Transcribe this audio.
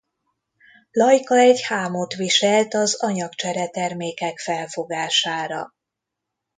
Lajka egy hámot viselt az anyagcsere-termékek felfogására.